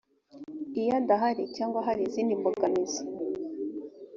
iyo adahari cyangwa hari izindi mbogamizi